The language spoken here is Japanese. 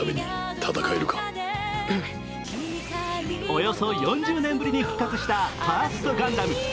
およそ４０年ぶりに復活したファーストガンダム。